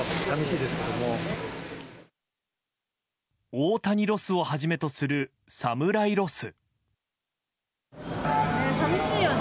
大谷ロスをはじめとする侍ロス。